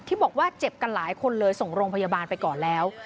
บอกว่าเจ็บกันหลายคนเลยส่งโรงพยาบาลไปก่อนแล้ว